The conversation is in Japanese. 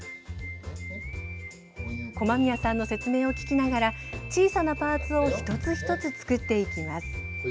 駒宮さんの説明を聞きながら小さなパーツを一つ一つ作っていきます。